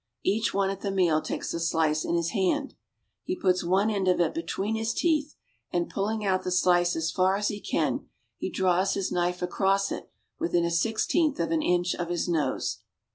Each one at the meal takes a slice in his hand. He puts one end of it between his teeth, and pulling out the slice as far as he can, he draws his knife across it within a sixteenth of an inch of his nose.